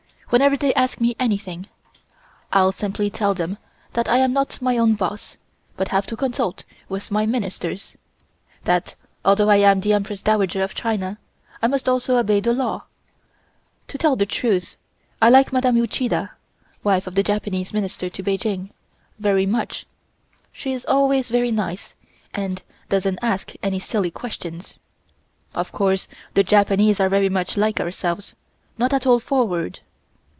Whenever they ask me anything, I'll simply tell them that I am not my own boss, but have to consult with my Ministers; that although I am the Empress Dowager of China, I must also obey the law. To tell the truth, I like Madame Uchida (wife of the Japanese Minister to Peking) very much. She is always very nice and doesn't ask any silly questions. Of course the Japanese are very much like ourselves, not at all forward.